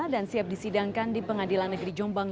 dan siap disidangkan di pengadilan negeri jombang